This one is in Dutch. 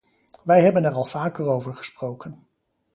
Wij hebben er al vaker over gesproken.